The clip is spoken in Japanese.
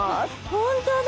本当だ。